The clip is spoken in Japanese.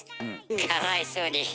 かわいそうに。